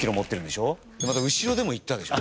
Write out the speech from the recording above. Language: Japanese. でまた後ろでもいったでしょ？